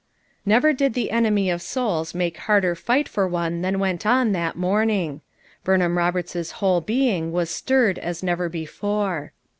Never did the enemy of souls make harder fight for one than went on that morning. Burn ham Roberts's whole being was stirred as never before.